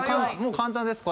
簡単です。